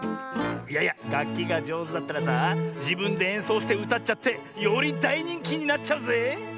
いやいやがっきがじょうずだったらさじぶんでえんそうしてうたっちゃってよりだいにんきになっちゃうぜえ。